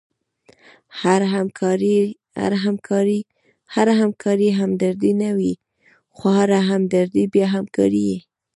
هره همکاري همدردي نه يي؛ خو هره همدردي بیا همکاري يي.